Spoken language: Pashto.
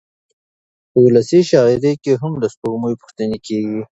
په ولسي شاعرۍ کې هم له سپوږمۍ پوښتنې کېږي.